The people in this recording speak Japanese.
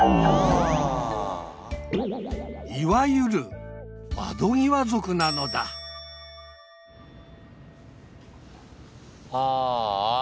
いわゆる窓際族なのだああ。